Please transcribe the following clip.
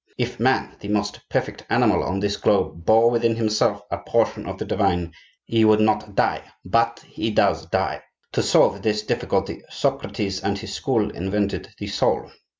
If man, the most perfect animal on this globe, bore within himself a portion of the divine, he would not die; but he does die. To solve this difficulty, Socrates and his school invented the Soul.